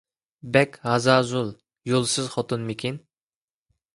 بەك ھازازۇل، يولسىز خوتۇنمىكىن.